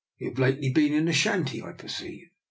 You have lately been in Ashanti, I perceive."